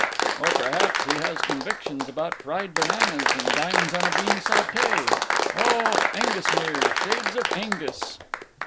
"Or perhaps he has convictions about fried bananas, and dines on a bean saute. O Aengusmere! Shades of Aengus!"